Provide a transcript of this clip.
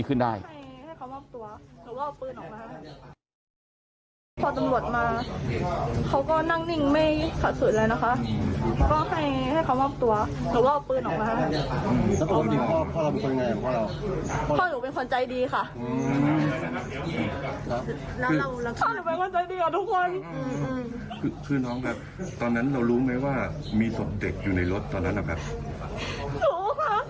คือน้องแบบตอนนั้นเรารู้ไหมว่ามีศพเด็กอยู่ในรถตอนนั้นนะครับ